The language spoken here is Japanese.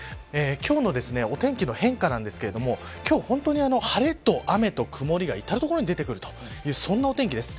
今日のお天気の変化なんですが今日は本当に晴れと雨と曇りが至る所に出てくるというお天気です。